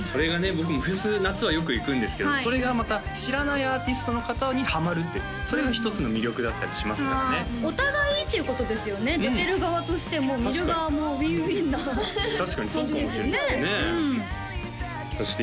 僕もフェス夏はよく行くんですけどそれがまた知らないアーティストの方にハマるっていうそれが一つの魅力だったりしますからねお互いいいっていうことですよね出てる側としても見る側もウィンウィンな確かにそうかもしれないねうんそして